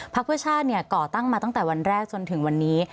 เพื่อชาติก่อตั้งมาตั้งแต่วันแรกจนถึงวันนี้